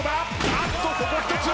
あっとここは１つ！